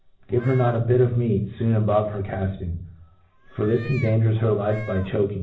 Give her not a bit of meat foon above her cafl: ing J for this endangers her life by choak ing.